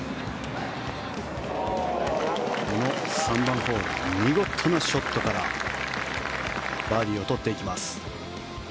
この３番ホール見事なショットからバーディーを取っていきます。